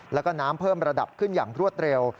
แล้วก็น้ำเพิ่มระดับขึ้นอย่างรวดเร็ว